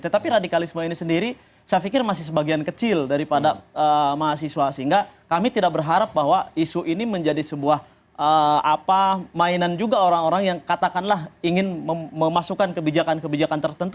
tetapi radikalisme ini sendiri saya pikir masih sebagian kecil daripada mahasiswa sehingga kami tidak berharap bahwa isu ini menjadi sebuah mainan juga orang orang yang katakanlah ingin memasukkan kebijakan kebijakan tertentu